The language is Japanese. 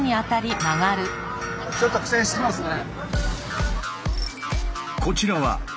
ちょっと苦戦してますね。